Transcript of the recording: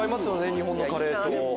日本のカレーと。